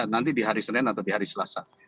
nanti di hari senin atau di hari selasa